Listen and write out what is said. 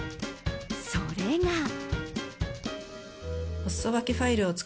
それが。